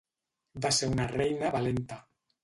Va ser una reina valenta.